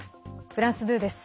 フランス２です。